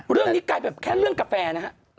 เรื่องนี้กลายเป็นแค่เรื่องกาแฟนะฮะ